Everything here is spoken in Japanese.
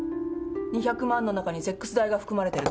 ２００万の中にセックス代が含まれてるって。